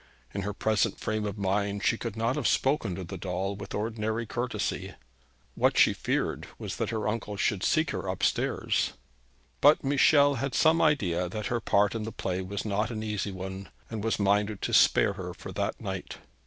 In her present frame of mind she could not have spoken to the doll with ordinary courtesy. What she feared was, that her uncle should seek her up stairs. But Michel had some idea that her part in the play was not an easy one, and was minded to spare her for that night.